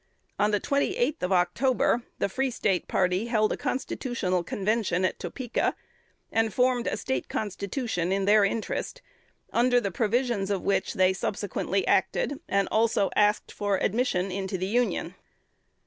On the 28d of October, the Free State party held a constitutional Convention at Topeka, and formed a State constitution in their interest, under the provisions of which they subsequently acted, and also asked for admission into the Union.